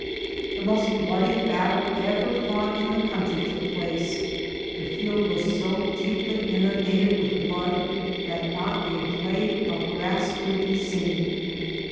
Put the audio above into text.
The most bloody bat tle ever fought in the country took place ; the field was so deeply inundated with blood that not a blade of grass could be seen.